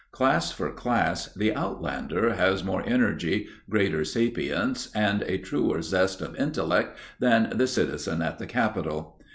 Class for class, the outlander has more energy, greater sapience and a truer zest of intellect than the citizen at the capital.